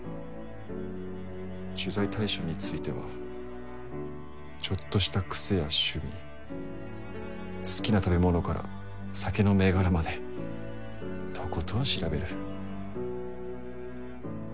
取材対象についてはちょっとした癖や趣味好きな食べ物から酒の銘柄までとことん調べる。